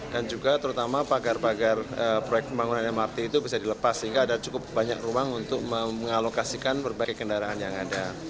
dan juga terutama pagar pagar proyek pembangunan mrt itu bisa dilepas sehingga ada cukup banyak ruang untuk mengalokasikan berbagai kendaraan yang ada